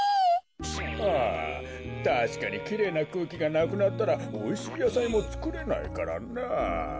ああたしかにきれいなくうきがなくなったらおいしいやさいもつくれないからなあ。